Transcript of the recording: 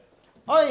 はい。